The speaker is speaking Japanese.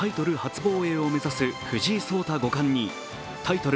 防衛を目指す藤井聡太五冠にタイトル